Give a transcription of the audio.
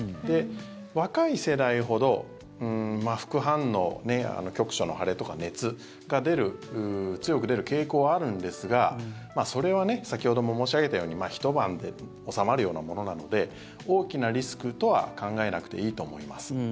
若い世代ほど副反応局所の腫れとか熱が強く出る傾向はあるんですがそれは先ほども申し上げたようにひと晩で治まるようなものなので大きなリスクとは考えなくていいと思います。